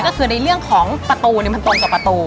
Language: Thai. ก็คือในเรื่องของประตูมันตรงกับประตู